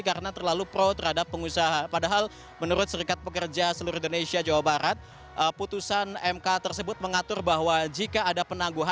karena terlalu berbahaya